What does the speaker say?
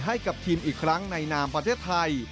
ให้กับทีมอีกครั้งในนามประเทศไทย